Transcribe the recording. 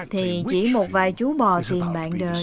thì chỉ một vài chú bò tiền bạn đời